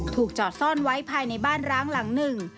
ถูกจอดซ่อนไว้ภายในบ้านร้างหลังหนึ่ง